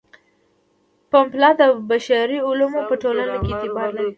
پملا د بشري علومو په ټولنو کې اعتبار لري.